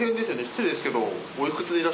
失礼ですけど。